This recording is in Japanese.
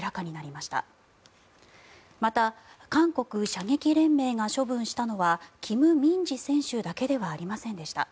また、韓国射撃連盟が処分したのはキム・ミンジ選手だけではありませんでした。